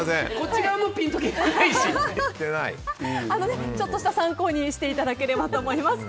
ちょっとした参考にしていただければと思います。